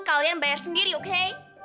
kalian bayar sendiri oke